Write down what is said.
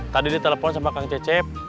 tadi ditelepon sama kang cecep